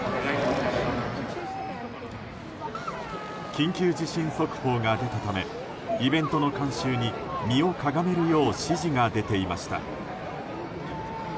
緊急地震速報が出たためイベントの観衆に身をかがめるよう指示が出ていました。